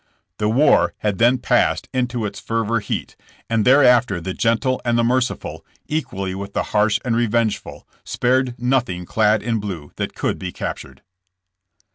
The war had then passed into its fever heat, and thereafter the gentle and the merciful, equally with the harsh and revengeful, spared nothing clad in blue that could be captured.